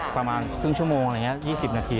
ประมาณกิ้งชั่วโมงหรืออย่างนี้๒๐นาที